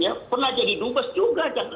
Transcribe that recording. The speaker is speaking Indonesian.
ya pernah jadi dubes juga